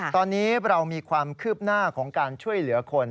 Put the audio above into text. ตอนนี้เรามีความคืบหน้าของการช่วยเหลือคน